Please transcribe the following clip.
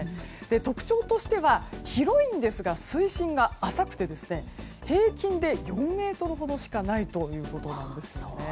特徴としては広いんですが水深が浅くて平均で４ｍほどしかないということなんです。